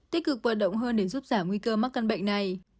tích cực vận động hơn để giúp giảm nguy cơ mắc căn bệnh này